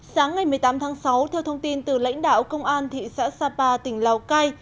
sáng ngày một mươi tám tháng sáu theo thông tin từ lãnh đạo công an thị xã sapa tỉnh lào cai